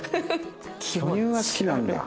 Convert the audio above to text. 巨乳が好きなんだ。